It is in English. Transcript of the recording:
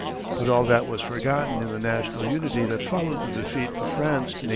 But all that was forgotten in the national unity that followed the defeat of France in 1872.